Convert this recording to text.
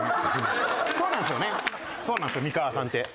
そうなんですよ美川さんって。